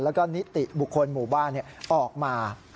แล้วก็นิติบุคคลหมู่บ้านออกมา